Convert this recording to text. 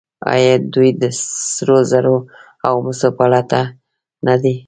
آیا دوی د سرو زرو او مسو په لټه نه دي؟